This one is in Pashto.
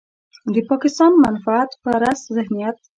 د پاکستان منفعت پرست ذهنيت.